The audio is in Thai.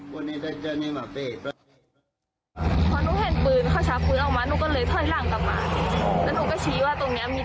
พอหนูเห็นปืนเขาช้าปืนออกมา